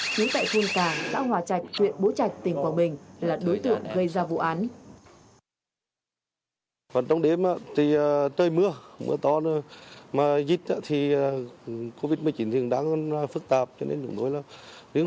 chú tại khuôn cảng xã hòa trạch huyện bố trạch tỉnh quảng bình là đối tượng gây ra vụ án